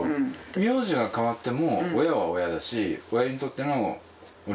名字が変わっても親は親だし親にとっての俺は俺だし。